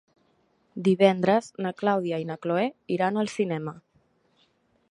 Divendres na Clàudia i na Cloè iran al cinema.